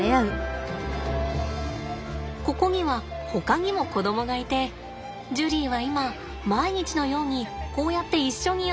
ここにはほかにも子供がいてジュリーは今毎日のようにこうやって一緒に遊んでるんですって。